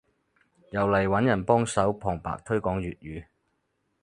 又嚟揾人幫手旁白推廣粵語